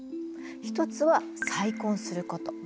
一つは再婚すること。